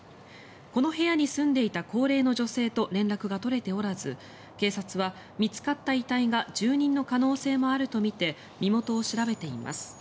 この部屋に住んでいた高齢の女性と連絡が取れておらず警察は見つかった遺体が住人の可能性もあるとみて身元を調べています。